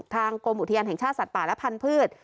กรมอุทยานแห่งชาติสัตว์ป่าและพันธุ์